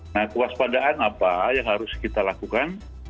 nah kewaspadaan apa yang harus kita lakukan